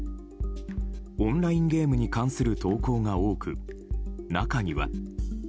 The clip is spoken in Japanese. オンラインゲームに関する投稿が多く、中には。